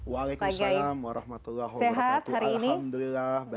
waalaikumsalam warahmatullahi wabarakatuh